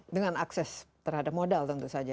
dengan akses terhadap modal tentu saja